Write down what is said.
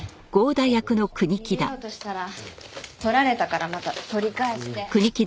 逃げようとしたら取られたからまた取り返して。